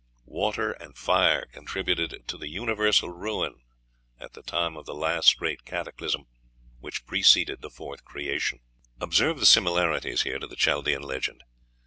Water and fire contributed to the universal ruin at the time of the last great cataclysm which preceded the fourth creation." Observe the similarities here to the Chaldean legend.